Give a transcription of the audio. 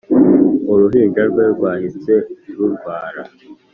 Uruhinja rwe rwahise rurwara